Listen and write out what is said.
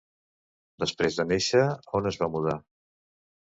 Després de néixer, on es va mudar?